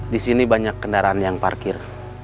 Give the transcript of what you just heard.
di sini banyak kendaraan yang parkir